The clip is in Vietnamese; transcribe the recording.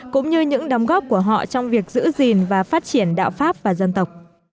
cũng như những đóng góp của họ trong việc giữ gìn và phát triển đạo pháp và dân tộc